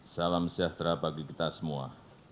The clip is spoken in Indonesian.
salam sejahtera bagi kita semua